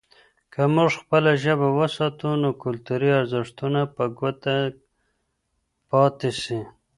که موږ خپله ژبه وساتو، نو کلتوري ارزښتونه به ګوته ته پاتې سي.